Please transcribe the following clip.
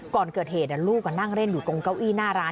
ก่อนเกิดเหตุลูกนั่งเล่นอยู่ตรงเก้าอี้หน้าร้าน